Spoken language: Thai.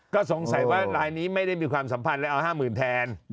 ก็สงสัยว่าลายนี้ไม่ได้มีความสัมพันธ์แล้วเอา๕๐๐๐แทน